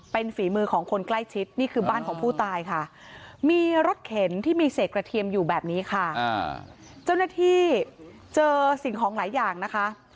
เป็นฝีมือของคนใกล้ชิดนี่คือบ้านของผู้ตายค่ะมีรถเข็นที่มีเศษกระเทียมอยู่แบบนี้ค่ะเจ้าหน้าที่เจอสิ่งของหลายอย่างนะคะ